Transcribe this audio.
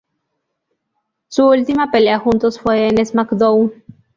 Su última pelea juntos fue en "SmackDown!